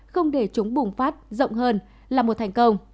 không để chúng bùng phát rộng hơn là một thành công